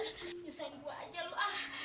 nyusahin gua aja lu ah